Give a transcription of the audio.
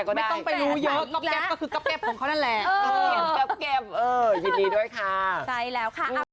ก็ไม่ได้กั๊บแก๊บอะไรครับผมตอนนี้คุณมาในคอนเซ็ป